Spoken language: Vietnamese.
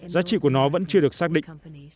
giá trị của nó vẫn chưa được xác định